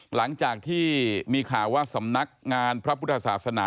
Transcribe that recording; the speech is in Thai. หลังจากที่มีข่าวว่าสำนักงานพระพุทธศาสนา